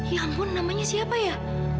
ya ampun namanya siapa ya